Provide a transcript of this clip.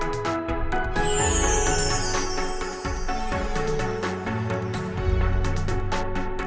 kita bisa kumpul kumpul kayak gini berempat